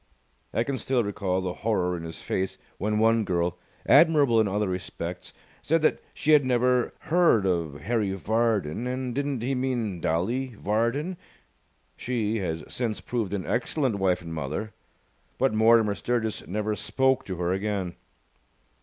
I can still recall the horror in his face when one girl, admirable in other respects, said that she had never heard of Harry Vardon, and didn't he mean Dolly Vardon? She has since proved an excellent wife and mother, but Mortimer Sturgis never spoke to her again.